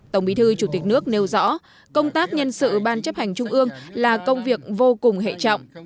tổng bí thư chủ tịch nước nêu rõ công tác nhân sự ban chấp hành trung ương là công việc vô cùng hệ trọng